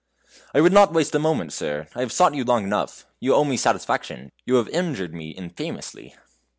"I would not waste a moment, sir; I have sought you long enough; you owe me satisfaction, you have injured me infamously."